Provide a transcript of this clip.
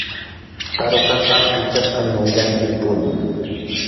Tarukaqa kichasqa ñawillantin puñun.